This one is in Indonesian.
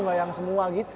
gak yang semua gitu